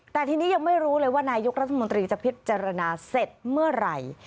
แต่ทีนี้ยังไม่รู้เลยว่านายกรัฐมนตรีจะพิจารณาเสร็จเมื่อไหร่